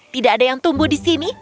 tidak ada yang tumbuh di sini